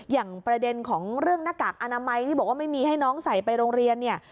อย่างประเด็นของเรื่องหน้ากากอนามัยที่บอกว่าไม่มีให้น้องใส่ไปโรงเรียนเนี่ย